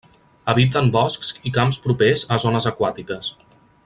Habita en boscs i camps propers a zones aquàtiques.